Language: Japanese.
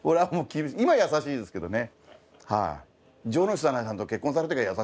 今優しいですけどね。